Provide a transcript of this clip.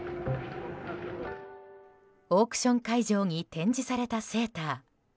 オークション会場に展示されたセーター。